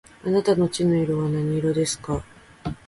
あなたの血の色は何色ですか